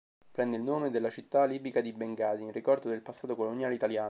Prende il nome dalla città libica di Bengasi, in ricordo del passato coloniale italiano.